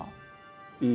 うん。